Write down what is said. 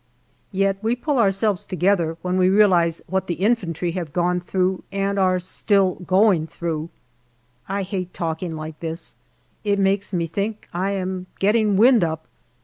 Yet we pull ourselves together when we realize what the infantry have gone through and are still going through ; I hate talking like this, it makes me think I am getting " wind up."